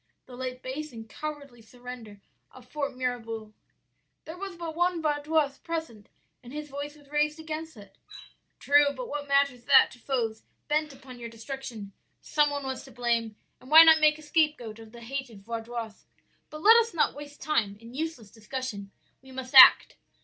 "'The late base and cowardly surrender of Fort Mirabouc.' "'There was but one Vaudois present, and his voice was raised against it.' "'True, but what matters that to foes bent upon your destruction? some one was to blame, and why not make a scapegoat of the hated Vaudois? But let us not waste time in useless discussion. We must act.'